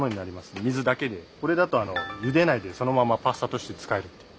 これだとゆでないでそのままパスタとして使えるっていう。